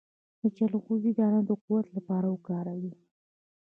د چلغوزي دانه د قوت لپاره وکاروئ